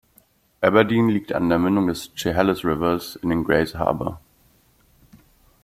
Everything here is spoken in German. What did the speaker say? Aberdeen liegt an der Mündung des Chehalis Rivers in den Grays Harbor.